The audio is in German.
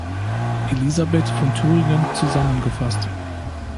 Elisabeth von Thüringen zusammengefasst.